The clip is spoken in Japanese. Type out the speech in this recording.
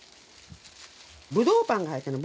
ぶどうパンが入ってる。